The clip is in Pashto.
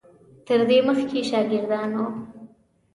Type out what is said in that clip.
تر دې مخکې شاګردان وو.